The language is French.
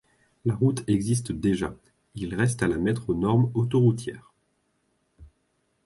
La route existe déjà, il reste à la mettre aux normes autoroutières.